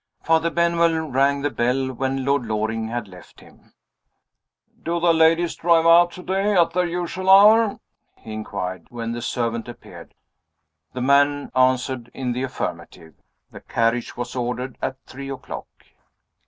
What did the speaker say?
Father Benwell rang the bell when Lord Loring had left him. "Do the ladies drive out to day at their usual hour?" he inquired, when the servant appeared. The man answered in the affirmative. The carriage was ordered at three o'clock.